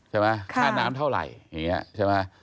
ใช่ไหมค่าน้ำเท่าไหร่แบบเนี่ยใช่ไหม